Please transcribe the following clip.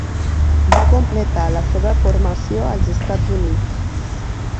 Va completar la seva formació als Estats Units.